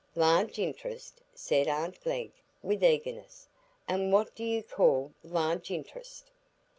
"Large int'rest?" said aunt Glegg, with eagerness; "and what do you call large int'rest?"